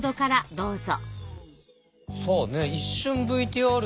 どうぞ。